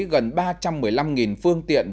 gần ba trăm một mươi năm phương tiện